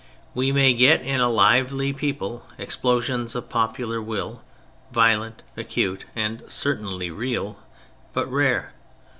We may get in a lively people explosions of popular will violent, acute, and certainly real; but rare.